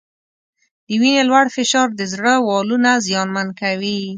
د وینې لوړ فشار د زړه والونه زیانمن کوي.